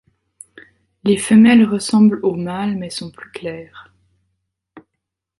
Les femelles ressemblent aux mâles mais sont plus claires.